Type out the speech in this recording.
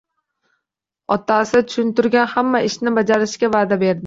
Otasi tushuntirgan hamma ishni bajarishga va`da berdi